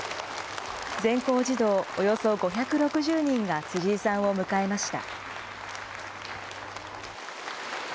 全校児童およそ５６０人が辻井さんを迎えました。